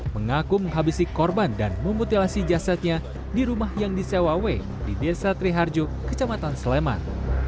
mengaku menghabisi korban dan memutilasi jasadnya di rumah yang disewa w di desa triharjo kecamatan sleman